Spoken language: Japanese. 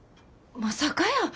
まさかやー。